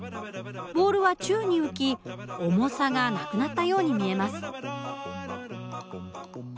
ボールは宙に浮き重さがなくなったように見えます。